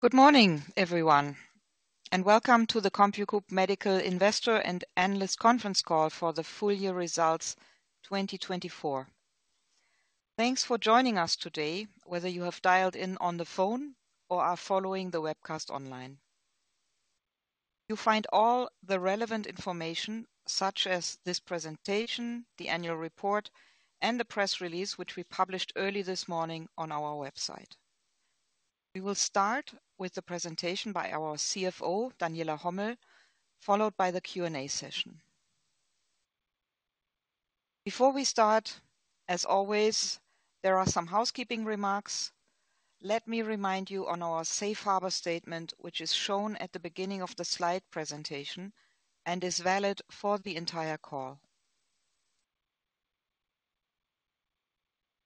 Good morning, everyone, and welcome to the CompuGroup Medical Investor and Analyst Conference Call for the full year results 2024. Thanks for joining us today, whether you have dialed in on the phone or are following the webcast online. You'll find all the relevant information, such as this presentation, the annual report, and the press release, which we published early this morning on our website. We will start with the presentation by our CFO, Daniela Hommel, followed by the Q&A session. Before we start, as always, there are some housekeeping remarks. Let me remind you of our Safe Harbor Statement, which is shown at the beginning of the slide presentation and is valid for the entire call.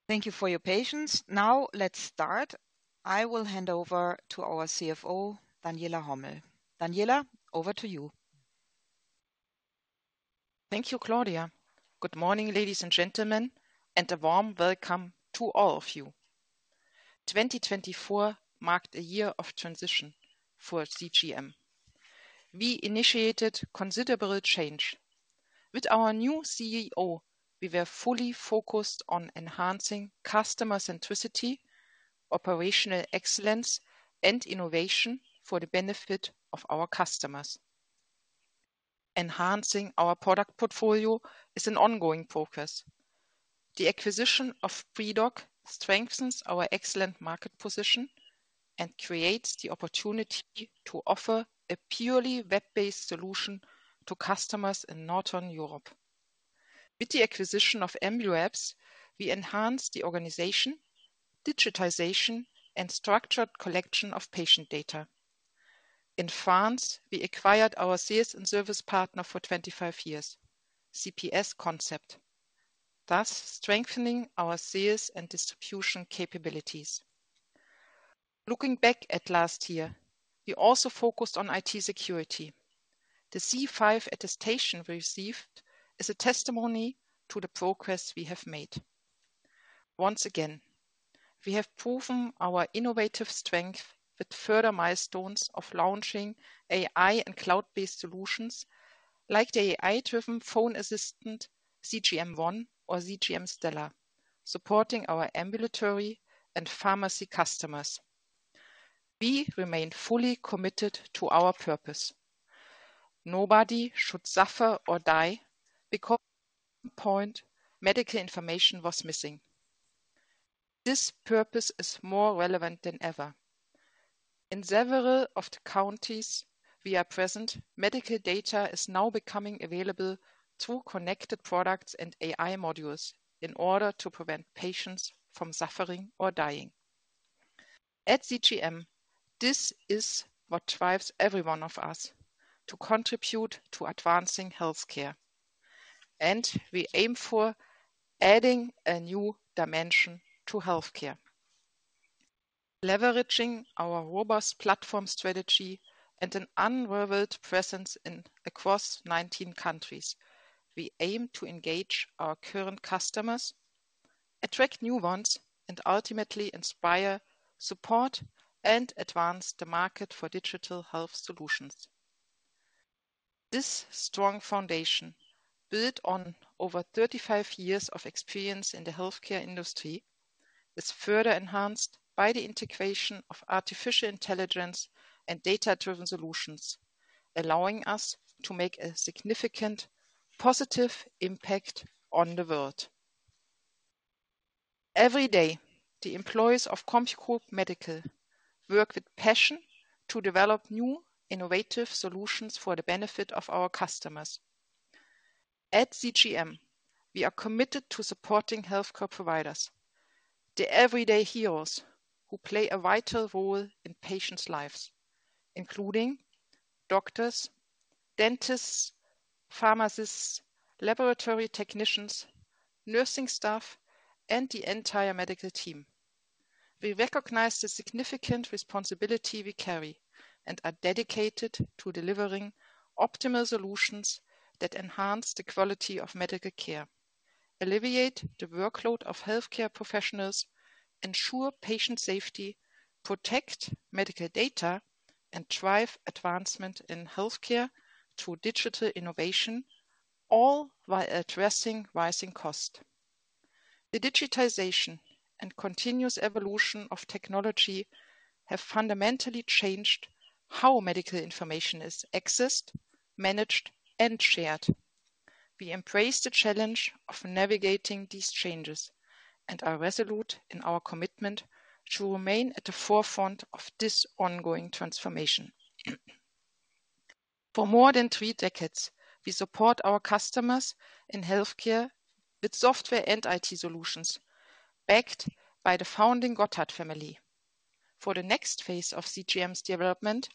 Thank you for your patience. Now, let's start. I will hand over to our CFO, Daniela Hommel. Daniela, over to you. Thank you, Claudia. Good morning, ladies and gentlemen, and a warm welcome to all of you. 2024 marked a year of transition for CGM. We initiated considerable change. With our new CEO, we were fully focused on enhancing customer centricity, operational excellence, and innovation for the benefit of our customers. Enhancing our product portfolio is an ongoing focus. The acquisition of Pridok strengthens our excellent market position and creates the opportunity to offer a purely web-based solution to customers in Northern Europe. With the acquisition of Emento Apps, we enhanced the organization, digitization, and structured collection of patient data. In France, we acquired our sales and service partner for 25 years, CPS Concept, thus strengthening our sales and distribution capabilities. Looking back at last year, we also focused on IT security. The C5 attestation we received is a testimony to the progress we have made. Once again, we have proven our innovative strength with further milestones of launching AI and cloud-based solutions like the AI-driven phone assistant, CGM One, or CGM Stella, supporting our ambulatory and pharmacy customers. We remain fully committed to our purpose. Nobody should suffer or die because at some point, medical information was missing. This purpose is more relevant than ever. In several of the countries we are present, medical data is now becoming available through connected products and AI modules in order to prevent patients from suffering or dying. At CGM, this is what drives every one of us to contribute to advancing healthcare, and we aim for adding a new dimension to healthcare. Leveraging our robust platform strategy and an unrivaled presence across 19 countries, we aim to engage our current customers, attract new ones, and ultimately inspire, support, and advance the market for digital health solutions. This strong foundation, built on over 35 years of experience in the healthcare industry, is further enhanced by the integration of artificial intelligence and data-driven solutions, allowing us to make a significant positive impact on the world. Every day, the employees of CompuGroup Medical work with passion to develop new innovative solutions for the benefit of our customers. At CGM, we are committed to supporting healthcare providers, the everyday heroes who play a vital role in patients' lives, including doctors, dentists, pharmacists, laboratory technicians, nursing staff, and the entire medical team. We recognize the significant responsibility we carry and are dedicated to delivering optimal solutions that enhance the quality of medical care, alleviate the workload of healthcare professionals, ensure patient safety, protect medical data, and drive advancement in healthcare through digital innovation, all while addressing rising costs. The digitization and continuous evolution of technology have fundamentally changed how medical information is accessed, managed, and shared. We embrace the challenge of navigating these changes and are resolute in our commitment to remain at the forefront of this ongoing transformation. For more than three decades, we support our customers in healthcare with software and IT solutions backed by the founding Gotthardt family. For the next phase of CGM's development,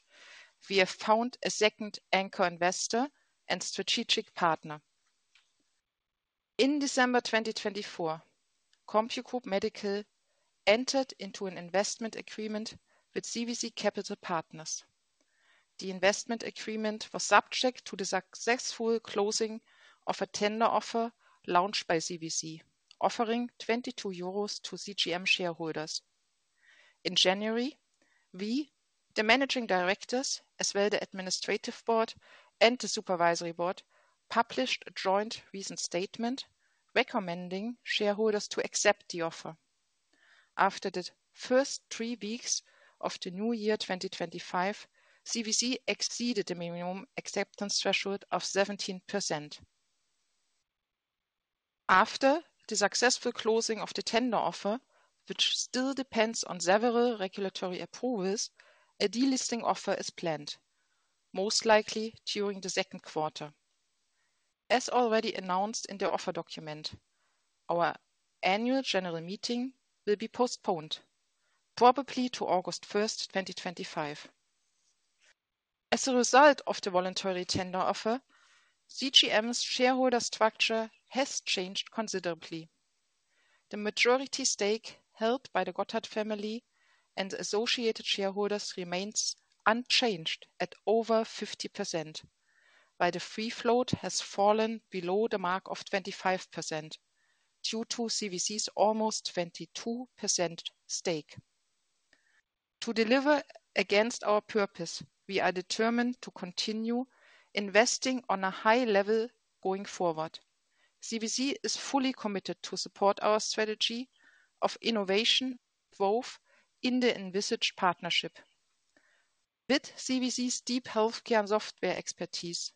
we have found a second anchor investor and strategic partner. In December 2024, CompuGroup Medical entered into an investment agreement with CVC Capital Partners. The investment agreement was subject to the successful closing of a tender offer launched by CVC, offering 22 euros to CGM shareholders. In January, we, the managing directors, as well as the administrative board and the supervisory board, published a joint recent statement recommending shareholders to accept the offer. After the first three weeks of the new year 2025, CVC exceeded the minimum acceptance threshold of 17%. After the successful closing of the tender offer, which still depends on several regulatory approvals, a delisting offer is planned, most likely during the second quarter. As already announced in the offer document, our annual general meeting will be postponed, probably to August 1, 2025. As a result of the voluntary tender offer, CGM's shareholder structure has changed considerably. The majority stake held by the Gotthardt family and associated shareholders remains unchanged at over 50%, while the free float has fallen below the mark of 25% due to CVC's almost 22% stake. To deliver against our purpose, we are determined to continue investing on a high level going forward. CVC is fully committed to support our strategy of innovation both in the envisaged partnership. With CVC's deep healthcare and software expertise,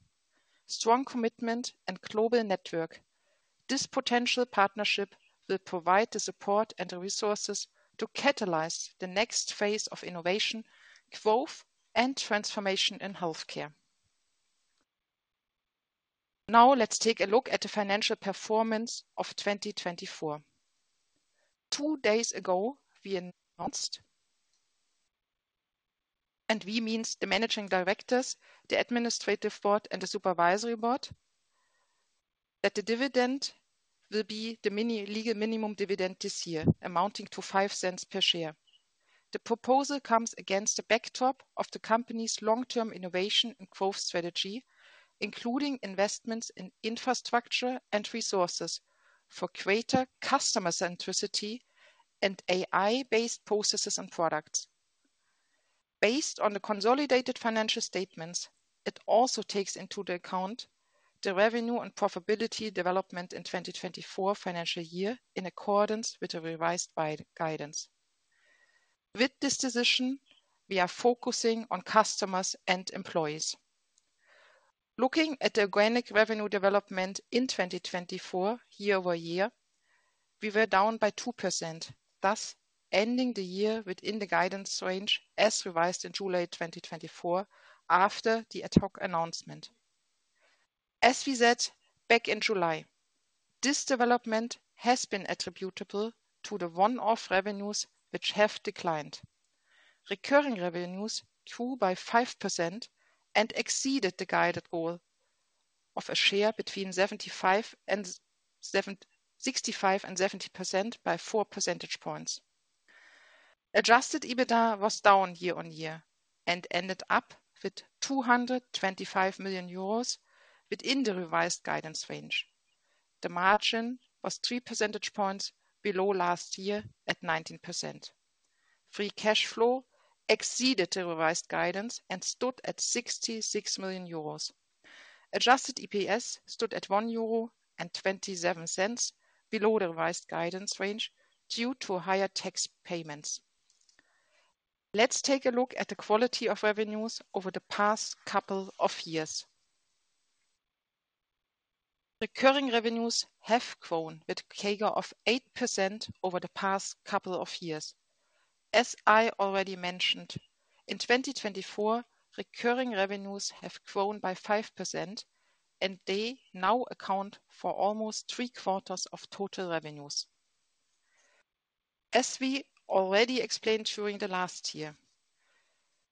strong commitment, and global network, this potential partnership will provide the support and resources to catalyze the next phase of innovation, growth, and transformation in healthcare. Now, let's take a look at the financial performance of 2024. Two days ago, we announced, and we mean the Managing Directors, the Administrative Board, and the Supervisory Board, that the dividend will be the legal minimum dividend this year, amounting to 0.05 per share. The proposal comes against the backdrop of the company's long-term innovation and growth strategy, including investments in infrastructure and resources for greater customer centricity and AI-based processes and products. Based on the consolidated financial statements, it also takes into account the revenue and profitability development in the 2024 financial year in accordance with the revised guidance. With this decision, we are focusing on customers and employees. Looking at the organic revenue development in 2024 year over year, we were down by 2%, thus ending the year within the guidance range as revised in July 2024 after the ad hoc announcement. As we said back in July, this development has been attributable to the one-off revenues, which have declined. Recurring revenues grew by 5% and exceeded the guided goal of a share between 65%-70% by 4 percentage points. Adjusted EBITDA was down year on year and ended up with 225 million euros within the revised guidance range. The margin was 3 percentage points below last year at 19%. Free cash flow exceeded the revised guidance and stood at 66 million euros. Adjusted EPS stood at 1.27 euro below the revised guidance range due to higher tax payments. Let's take a look at the quality of revenues over the past couple of years. Recurring revenues have grown with a CAGR of 8% over the past couple of years. As I already mentioned, in 2024, recurring revenues have grown by 5%, and they now account for almost three quarters of total revenues. As we already explained during the last year,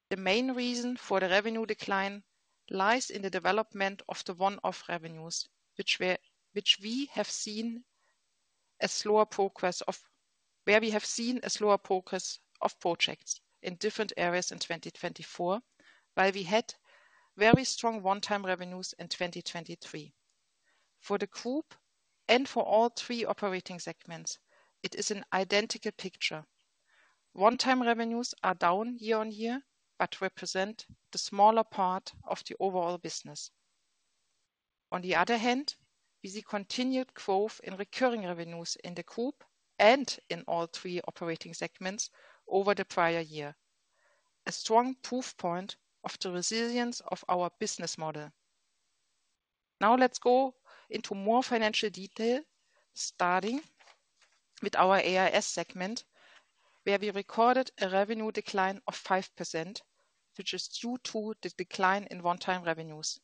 the main reason for the revenue decline lies in the development of the one-off revenues, which we have seen a slower progress of where we have seen a slower progress of projects in different areas in 2024, while we had very strong one-time revenues in 2023. For the group and for all three operating segments, it is an identical picture. One-time revenues are down year on year, but represent the smaller part of the overall business. On the other hand, we see continued growth in recurring revenues in the group and in all three operating segments over the prior year, a strong proof point of the resilience of our business model. Now, let's go into more financial detail, starting with our AIS segment, where we recorded a revenue decline of 5%, which is due to the decline in one-time revenues.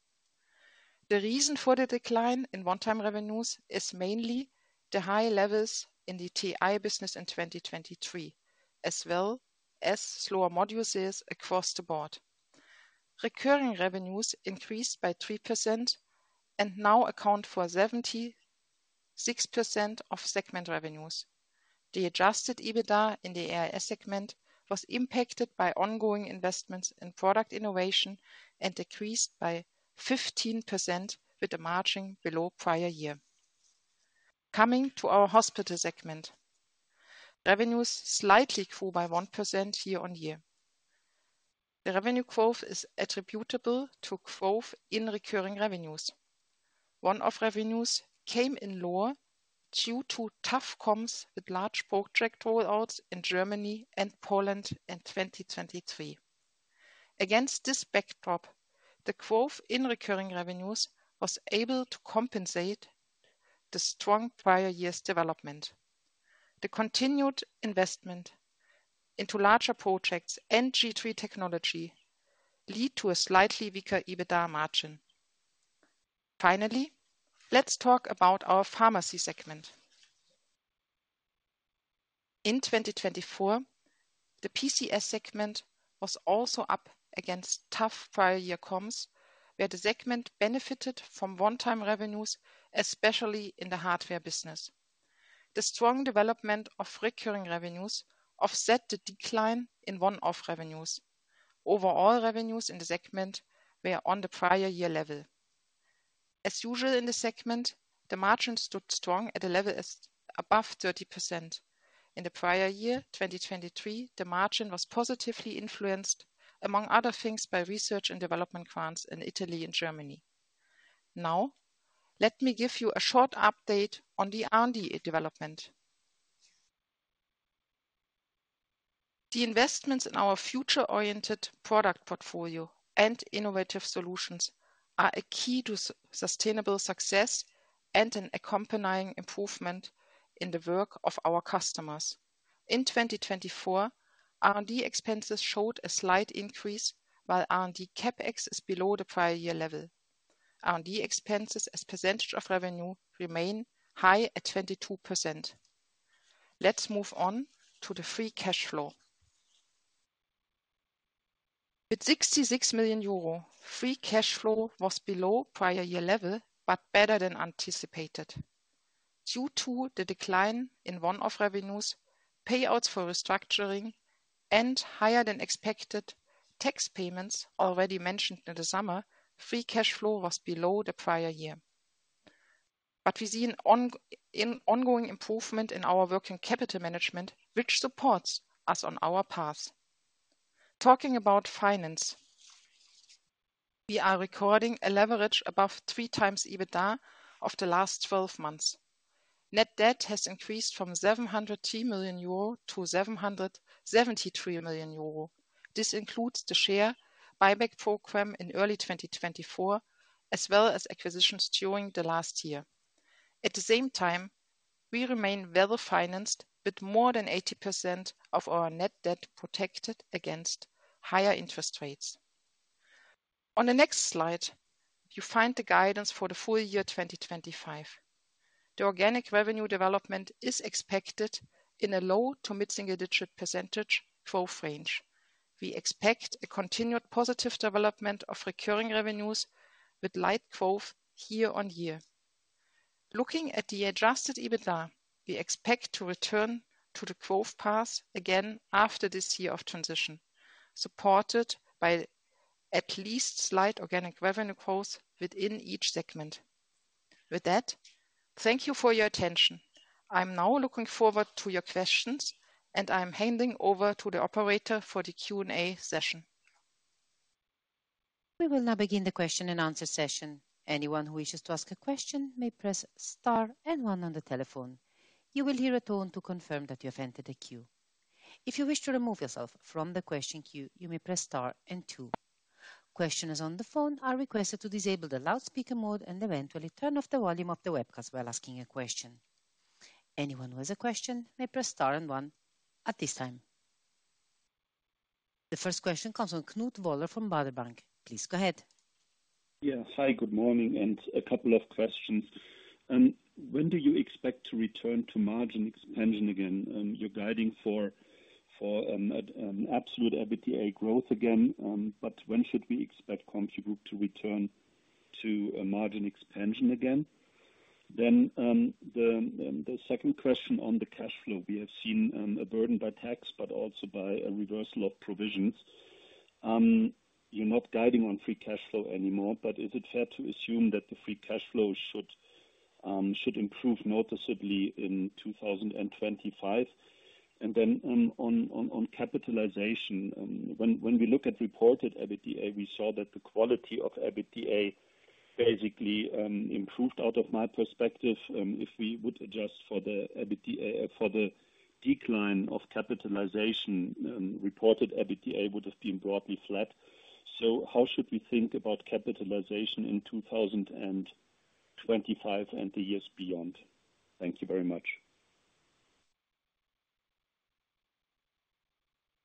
The reason for the decline in one-time revenues is mainly the high levels in the TI business in 2023, as well as slower modules across the board. Recurring revenues increased by 3% and now account for 76% of segment revenues. The adjusted EBITDA in the AIS segment was impacted by ongoing investments in product innovation and decreased by 15% with a margin below prior year. Coming to our hospital segment, revenues slightly grew by 1% year on year. The revenue growth is attributable to growth in recurring revenues. One-off revenues came in lower due to tough comms with large project rollouts in Germany and Poland in 2023. Against this backdrop, the growth in recurring revenues was able to compensate the strong prior year's development. The continued investment into larger projects and G3 technology led to a slightly weaker EBITDA margin. Finally, let's talk about our pharmacy segment. In 2024, the PCS segment was also up against tough prior year comms, where the segment benefited from one-time revenues, especially in the hardware business. The strong development of recurring revenues offset the decline in one-off revenues. Overall revenues in the segment were on the prior year level. As usual in the segment, the margin stood strong at a level above 30%. In the prior year, 2023, the margin was positively influenced, among other things, by research and development grants in Italy and Germany. Now, let me give you a short update on the R&D development. The investments in our future-oriented product portfolio and innovative solutions are a key to sustainable success and an accompanying improvement in the work of our customers. In 2024, R&D expenses showed a slight increase, while R&D CapEx is below the prior year level. R&D expenses as percentage of revenue remain high at 22%. Let's move on to the free cash flow. With 66 million euro, free cash flow was below prior year level, but better than anticipated. Due to the decline in one-off revenues, payouts for restructuring, and higher than expected tax payments already mentioned in the summer, free cash flow was below the prior year. We see an ongoing improvement in our working capital management, which supports us on our path. Talking about finance, we are recording a leverage above three times EBITDA of the last 12 months. Net debt has increased from 710 million euro to 773 million euro. This includes the share buyback program in early 2024, as well as acquisitions during the last year. At the same time, we remain well financed with more than 80% of our net debt protected against higher interest rates. On the next slide, you find the guidance for the full year 2025. The organic revenue development is expected in a low- to mid-single digit % growth range. We expect a continued positive development of recurring revenues with light growth year on year. Looking at the adjusted EBITDA, we expect to return to the growth path again after this year of transition, supported by at least slight organic revenue growth within each segment. With that, thank you for your attention. I'm now looking forward to your questions, and I'm handing over to the operator for the Q&A session. We will now begin the question and answer session. Anyone who wishes to ask a question may press star and one on the telephone. You will hear a tone to confirm that you have entered the queue. If you wish to remove yourself from the question queue, you may press star and two. Questioners on the phone are requested to disable the loudspeaker mode and eventually turn off the volume of the webcast while asking a question. Anyone who has a question may press star and one at this time. The first question comes from Knut Woller from Baader Bank. Please go ahead. Yes, hi, good morning, and a couple of questions. When do you expect to return to margin expansion again? You're guiding for an absolute EBITDA growth again, but when should we expect CompuGroup to return to margin expansion again? The second question on the cash flow. We have seen a burden by tax, but also by a reversal of provisions. You're not guiding on free cash flow anymore, but is it fair to assume that the free cash flow should improve noticeably in 2025? On capitalization, when we look at reported EBITDA, we saw that the quality of EBITDA basically improved, out of my perspective. If we would adjust for the decline of capitalization, reported EBITDA would have been broadly flat. How should we think about capitalization in 2025 and the years beyond? Thank you very much.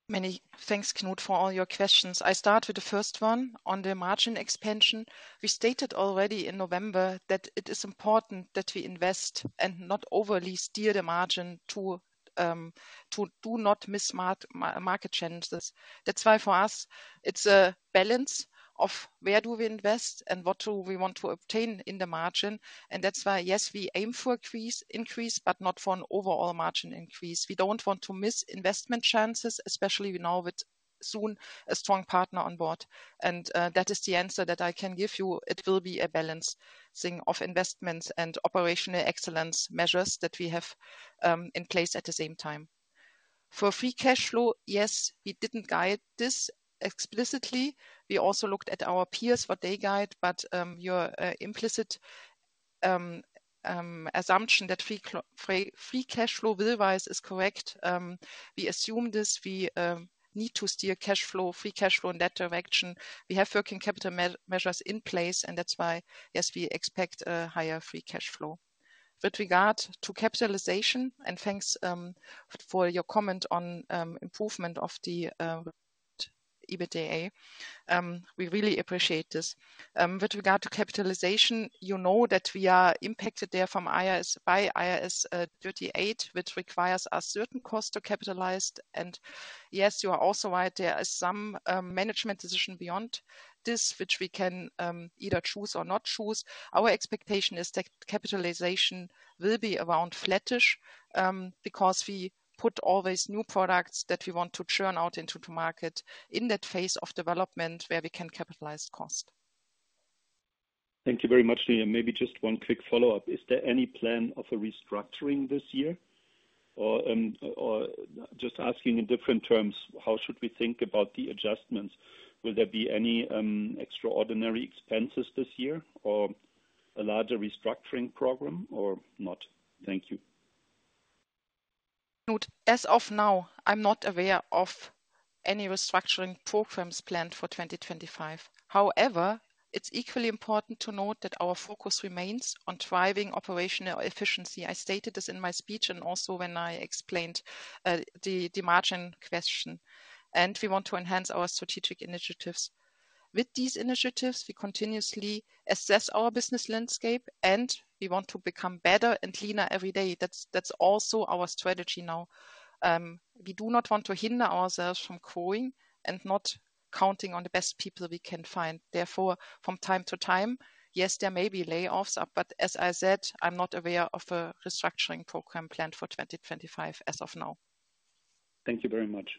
Many thanks, Knut, for all your questions. I start with the first one on the margin expansion. We stated already in November that it is important that we invest and not overly steer the margin to do not miss market chances. That is why for us, it is a balance of where do we invest and what do we want to obtain in the margin. That is why, yes, we aim for increase, but not for an overall margin increase. We do not want to miss investment chances, especially now with soon a strong partner on board. That is the answer that I can give you. It will be a balancing of investments and operational excellence measures that we have in place at the same time. For free cash flow, yes, we did not guide this explicitly. We also looked at our peers for day guide, but your implicit assumption that free cash flow will rise is correct. We assume this; we need to steer free cash flow in that direction. We have working capital measures in place, and that's why, yes, we expect a higher free cash flow. With regard to capitalization, and thanks for your comment on improvement of the EBITDA, we really appreciate this. With regard to capitalization, you know that we are impacted there by IAS 38, which requires a certain cost to capitalize. Yes, you are also right; there is some management decision beyond this, which we can either choose or not choose. Our expectation is that capitalization will be around flattish because we put always new products that we want to churn out into the market in that phase of development where we can capitalize cost. Thank you very much, Nia. Maybe just one quick follow-up. Is there any plan of a restructuring this year? Or just asking in different terms, how should we think about the adjustments? Will there be any extraordinary expenses this year or a larger restructuring program or not? Thank you. Knut, as of now, I'm not aware of any restructuring programs planned for 2025. However, it's equally important to note that our focus remains on driving operational efficiency. I stated this in my speech and also when I explained the margin question. We want to enhance our strategic initiatives. With these initiatives, we continuously assess our business landscape, and we want to become better and leaner every day. That's also our strategy now. We do not want to hinder ourselves from growing and not counting on the best people we can find. Therefore, from time to time, yes, there may be layoffs, but as I said, I'm not aware of a restructuring program planned for 2025 as of now. Thank you very much.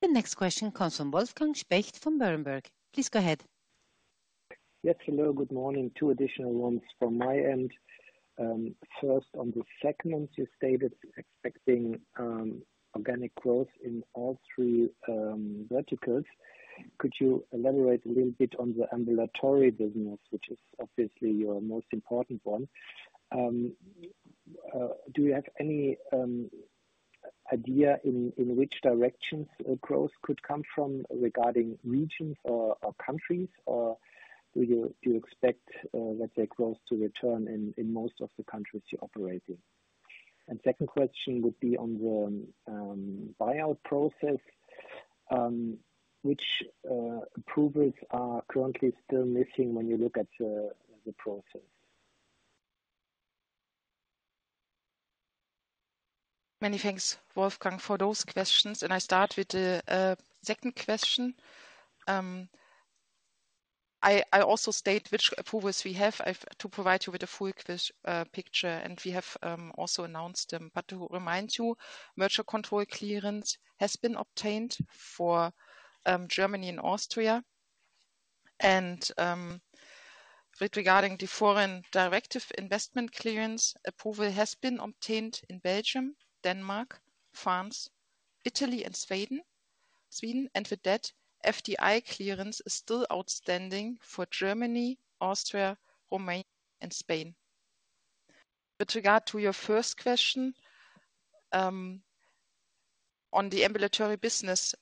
The next question comes from Wolfgang Specht from Berenberg. Please go ahead. Yes, hello, good morning. Two additional ones from my end. First, on the segment, you stated expecting organic growth in all three verticals. Could you elaborate a little bit on the ambulatory business, which is obviously your most important one? Do you have any idea in which directions growth could come from regarding regions or countries, or do you expect that the growth to return in most of the countries you're operating? The second question would be on the buyout process. Which approvals are currently still missing when you look at the process? Many thanks, Wolfgang, for those questions. I start with the second question. I also state which approvals we have to provide you with a full picture, and we have also announced them. To remind you, merger control clearance has been obtained for Germany and Austria. Regarding the foreign direct investment clearance, approval has been obtained in Belgium, Denmark, France, Italy, and Sweden. With that, FDI clearance is still outstanding for Germany, Austria, Romania, and Spain. With regard to your first question on the ambulatory business,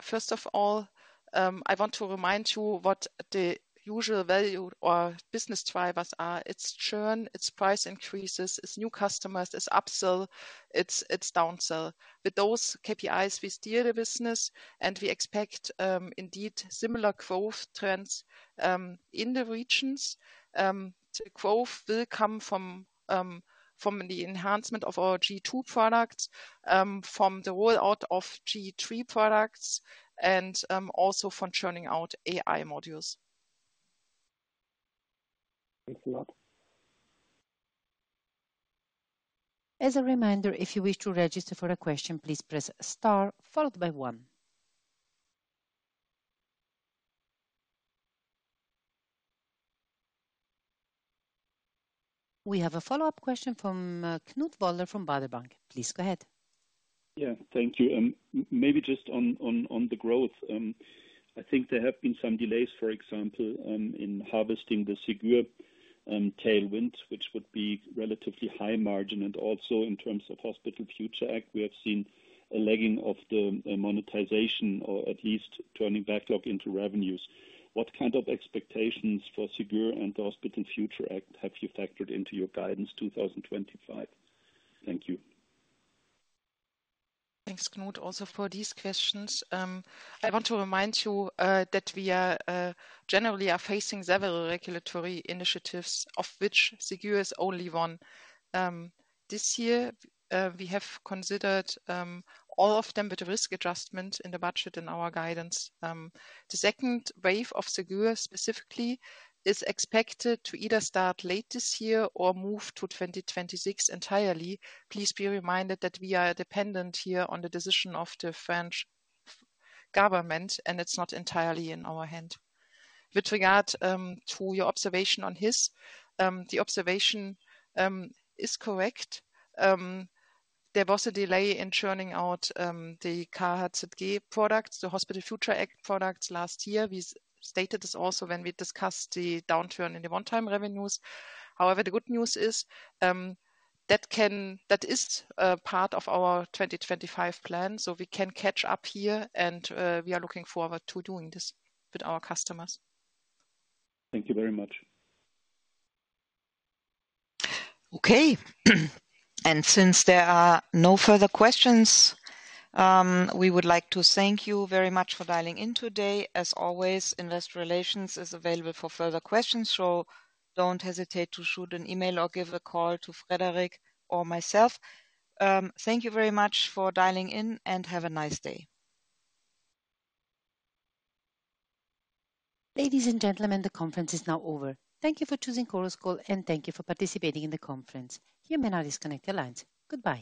first of all, I want to remind you what the usual value or business drivers are: its churn, its price increases, its new customers, its upsell, its downsell. With those KPIs, we steer the business, and we expect indeed similar growth trends in the regions. The growth will come from the enhancement of our G2 products, from the rollout of G3 products, and also from churning out AI modules. Thanks a lot. As a reminder, if you wish to register for a question, please press star followed by one. We have a follow-up question from Knut Woller from Baader Bank. Please go ahead. Yeah, thank you. Maybe just on the growth. I think there have been some delays, for example, in harvesting the Ségur tailwinds, which would be relatively high margin. Also, in terms of Hospital Future Act, we have seen a lagging of the monetization or at least turning backlog into revenues. What kind of expectations for Ségur and the Hospital Future Act have you factored into your guidance 2025? Thank you. Thanks, Knut, also for these questions. I want to remind you that we generally are facing several regulatory initiatives, of which Ségur is only one. This year, we have considered all of them with risk adjustment in the budget and our guidance. The second wave of Ségur specifically is expected to either start late this year or move to 2026 entirely. Please be reminded that we are dependent here on the decision of the French government, and it's not entirely in our hand. With regard to your observation on HIS, the observation is correct. There was a delay in churning out the KHZG products, the Hospital Future Act products last year. We stated this also when we discussed the downturn in the one-time revenues. However, the good news is that is part of our 2025 plan, so we can catch up here, and we are looking forward to doing this with our customers. Thank you very much. Okay. Since there are no further questions, we would like to thank you very much for dialing in today. As always, investor relations is available for further questions, so do not hesitate to shoot an email or give a call to Frederic or myself. Thank you very much for dialing in and have a nice day. Ladies and gentlemen, the conference is now over. Thank you for choosing CompuGroup Medical and thank you for participating in the conference. You may now disconnect your lines. Goodbye.